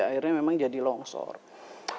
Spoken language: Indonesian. akhirnya memang jadi longshore